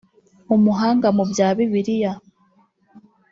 umuhanga mu bya bibliya